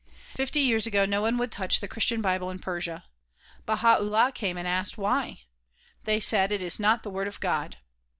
Fifty years ago no one would touch the Christian bible in Persia. Baha 'Ullah came and asked "AVhy?" They said "It is not the Word of God."